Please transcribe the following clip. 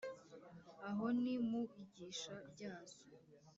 aho ni mu igisha ryazo;